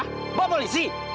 hah mbak polisi